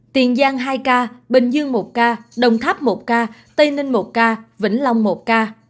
tiền giang hai ca bình dương một ca đồng tháp một ca tây ninh một ca vĩnh long một ca